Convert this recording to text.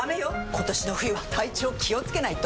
今年の冬は体調気をつけないと！